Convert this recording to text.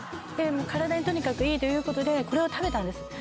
体にとにかくいいってことでこれを食べたんです。